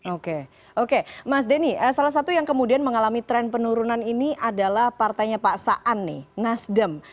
oke oke mas denny salah satu yang kemudian mengalami tren penurunan ini adalah partainya pak saan nih nasdem